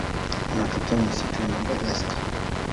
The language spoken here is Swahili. Wanatokea misitu ya Madagaska.